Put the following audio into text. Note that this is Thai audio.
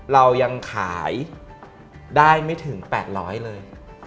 เรายังขายได้ไม่ถึง๘๐๐เลย